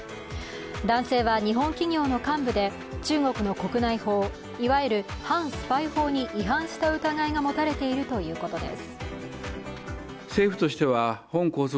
男性は日本企業の幹部で中国の国内法いわゆる反スパイ法に違反した疑いが持たれているということです。